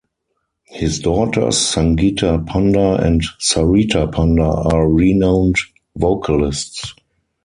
His daughters Sangita Panda and Sarita Panda are renowned vocalists.